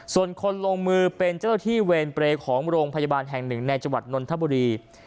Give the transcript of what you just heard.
ส่วนคนลงมือเป็นเจ้าที่เวรเปรย์ของโรงพยาบาลแห่งหนึ่งในจังหวัดนนทบุรี